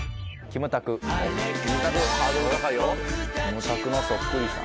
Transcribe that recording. キムタクのそっくりさん？